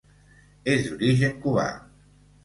És d'origen cubà.